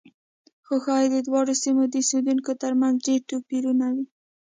خو ښایي د دواړو سیمو د اوسېدونکو ترمنځ ډېر توپیرونه وي.